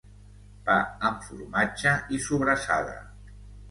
Pa amb formatge i sobrassada